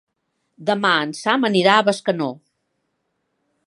Demà en Sam anirà a Bescanó.